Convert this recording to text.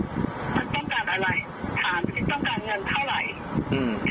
ถามให้หน่อยอืมต้องการเงินใช่ไหมครับหรือต้องการความสะใจหรืออะไร